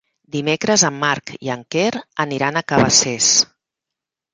Dimecres en Marc i en Quer aniran a Cabacés.